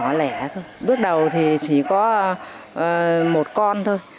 nhỏ lẻ thôi bước đầu thì chỉ có một con thôi